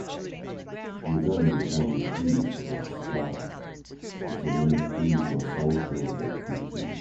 She then became Chief of Staff of the Ministry for Social Equity.